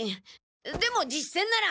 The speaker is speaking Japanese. でも実戦なら！